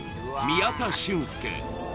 宮田俊介